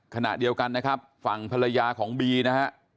ขณะเดียวกันนะครับฝั่งภรรยาของบีนะฮะ